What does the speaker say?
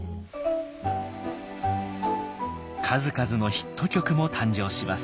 数々のヒット曲も誕生します。